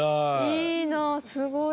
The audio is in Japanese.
いいなあすごい。